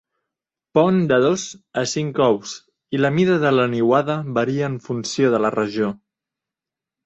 Pon de dos a cinc ous, i la mida de la niuada varia en funció de la regió.